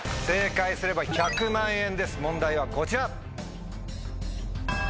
正解すれば１００万円です問題はこちら。